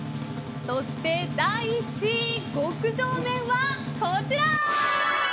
そして第１位、極上麺はこちら。